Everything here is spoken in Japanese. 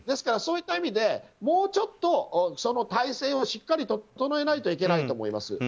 そういった意味で、もうちょっと体制をしっかりと整えないといけないと思います。